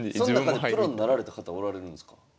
そん中でプロになられた方おられるんですか？